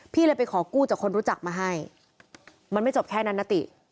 พี่เลยไปขอกู้จากคนรู้จักมาให้มันไม่จบแค่นั้นนะติ